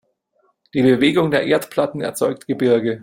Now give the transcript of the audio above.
Die Bewegung der Erdplatten erzeugt Gebirge.